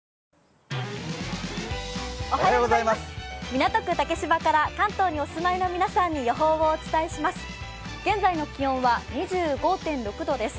港区竹芝から、関東にお住まいの皆さんに予報をお伝えします。